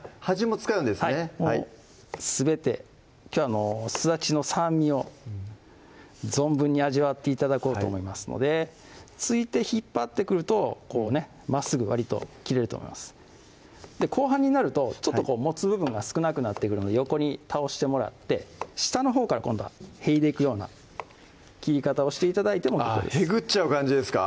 もうすべてきょうはすだちの酸味を存分に味わって頂こうと思いますので突いて引っ張ってくるとこうねまっすぐわりと切れると思います後半になるとちょっと持つ部分が少なくなってくるので横に倒してもらって下のほうから今度はへいでいくような切り方をして頂いても結構ですへぐっちゃう感じですか？